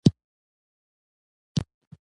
بدرنګه عملونه له انسانیت سره ظلم دی